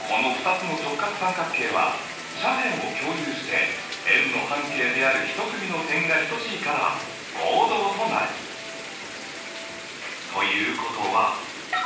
この２つの直角三角形は斜辺を共有して円の半径である１組の辺が等しいから合同となる！ということはＢを二等分する線が